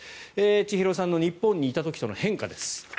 ちひろさんの日本にいた時との変化です。